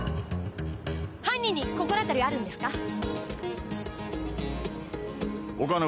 「犯人に心当たりはあるんですか？」